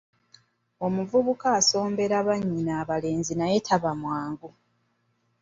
Omuvubuka asombera bannyina abalenzi naye taba mwangu.